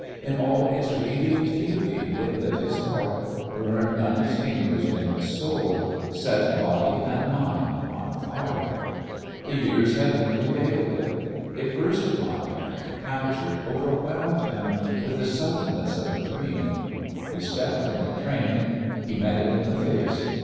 In all its radiant beauty it lit his heart, burned unextinguished in his soul, set body and mind on fire. The years had merely veiled it. It burst upon him, captured, overwhelmed him with the suddenness of a dream. He stepped from the train. He met it in the face.